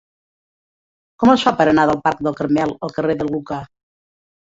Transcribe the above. Com es fa per anar del parc del Carmel al carrer de Lucà?